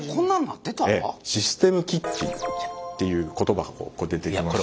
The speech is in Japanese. システムキッチンっていう言葉が出てきまして。